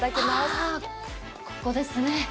ああ、ここですね。